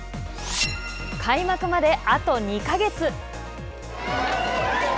開幕まであと２か月。